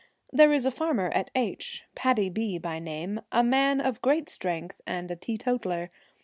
There is a farmer at H , Paddy B by name — a man of great strength, and a teetotaller.